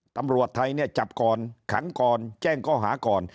ตำรวจไทยเนี่ยจับก่อนขังก่อนแจ้งข้อหาก่อน